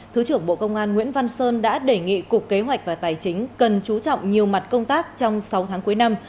thứ trưởng bộ công an nguyễn văn sơn đã đề nghị cục kế hoạch và tài chính cần chú trọng nhiều mặt công tác trong sáu tháng cuối năm